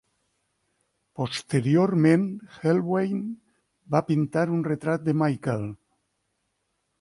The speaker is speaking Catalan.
Posteriorment, Helnwein va pintar un retrat de Michael.